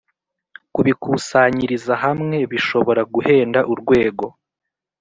kubikusanyiriza hamwe bishobora guhenda urwego.